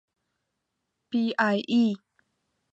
پی ای اې.